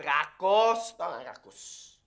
rakus tau gak rakus